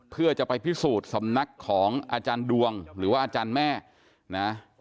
เพื่อจะไปพิสูจน์สำนักของอาจารย์ดวงหรือว่าอาจารย์แม่นะ